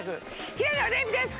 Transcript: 平野レミです。